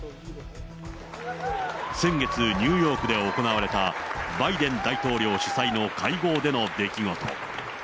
先月ニューヨークで行われたバイデン大統領主催の会合での出来事。